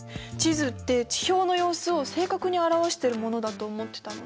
地図って地表の様子を正確に表してるものだと思ってたのに。